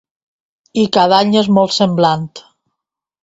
I cada any és molt semblant.